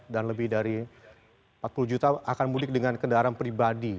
dan lebih dari empat puluh juta akan mudik dengan kendaraan pribadi